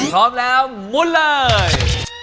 พร้อมแล้วมุนเลย